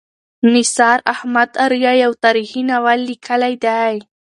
نثار احمد آریا یو تاریخي ناول لیکلی دی.